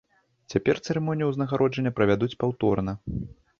Цяпер цырымонію ўзнагароджання правядуць паўторна.